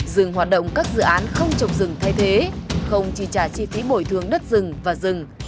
dừng hoạt động các dự án không trồng rừng thay thế không chi trả chi phí bồi thường đất rừng và rừng